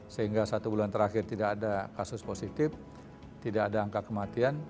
sehingga satu bulan terakhir tidak ada kasus positif tidak ada angka kematian